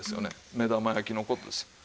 目玉焼きの事ですよ。